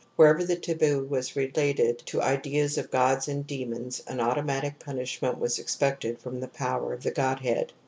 ) Wherever the taboo was related to ideas of gods and demons an auto matic punishment was expected from the power of the godhead.